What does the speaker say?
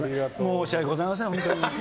申し訳ござません、本当に。